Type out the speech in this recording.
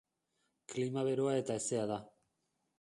Klima beroa eta hezea da.